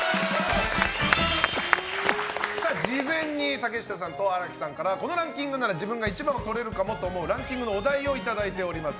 事前に竹下さんと荒木さんからこのランキングなら自分が１番をとれるかもと思うランキングのお題をいただいております。